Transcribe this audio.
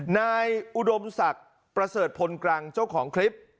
นายอุดมศักดิ์ประเสริฐพลกรังเจ้าของคลิป